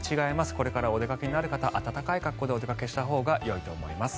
これからお出かけになる方暖かい格好でお出かけしたほうがよいと思います。